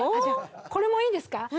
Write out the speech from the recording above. じゃこれもいいですか？